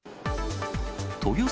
豊洲